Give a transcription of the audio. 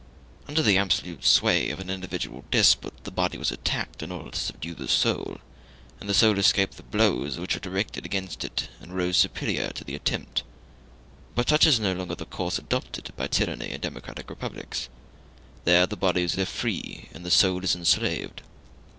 Under the absolute sway of an individual despot the body was attacked in order to subdue the soul, and the soul escaped the blows which were directed against it and rose superior to the attempt; but such is not the course adopted by tyranny in democratic republics; there the body is left free, and the soul is enslaved.